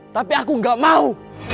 tapi aku gak mau